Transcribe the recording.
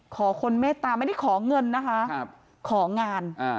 ขอคนเมตตาไม่ได้ขอเงินนะคะของาน